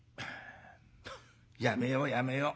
やめようやめよう。